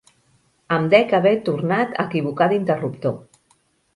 Em dec haver tornat a equivocar d'interruptor.